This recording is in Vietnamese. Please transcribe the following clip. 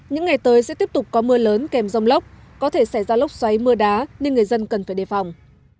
những ngày tới sẽ tiếp tục có mưa lớn kèm rông lốc có thể xảy ra lốc xoáy mưa đá nên người dân cần phải đề phòng